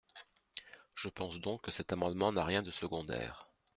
Je pense donc que cet amendement n’a rien de secondaire.